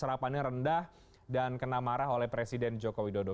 terkait dengan angka rendah dan kena marah oleh presiden joko widodo